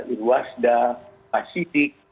irwasda pak siddiq